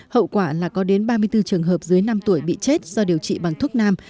hậu quả là có đến ba mươi bốn trường hợp dưới năm tuổi bị chết do điều trị bằng thuốc nam